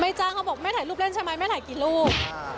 จ้างเขาบอกแม่ถ่ายรูปเล่นใช่ไหมแม่ถ่ายกี่รูป